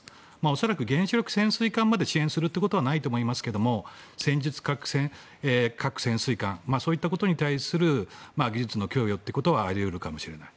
恐らく原子力潜水艦まで支援することはないと思いますが戦術核潜水艦そういったことに対する技術の供与ということはあり得るかもしれない。